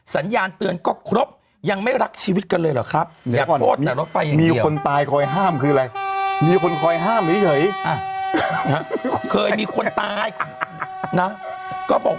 สัญญาณเตือนก็ครบยังไม่รักชีวิตกันเลยเหรอครับ